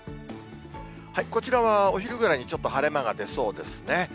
こちらはお昼ぐらいにちょっと晴れ間が出そうですね。